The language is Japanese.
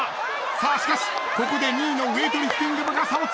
さあしかしここで２位のウェイトリフティング部が差を詰めてきた！